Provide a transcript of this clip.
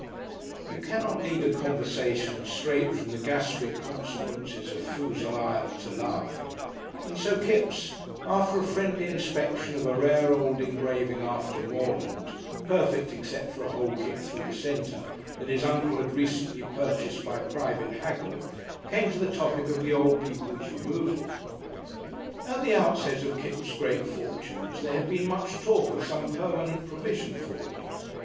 You cannot lead a conversation straight from the gastric consequences of Foozle Ile to Love, and so Kipps, after a friendly inspection of a rare old engraving after Morland (perfect except for a hole kicked through the centre) that his Uncle had recently purchased by private haggle, came to the topic of the old people's removal. At the outset of Kipps' great fortunes there had been much talk of some permanent provision for them.